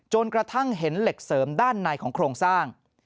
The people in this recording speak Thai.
กระทั่งเห็นเหล็กเสริมด้านในของโครงสร้าง